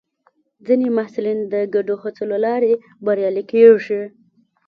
ځینې محصلین د ګډو هڅو له لارې بریالي کېږي.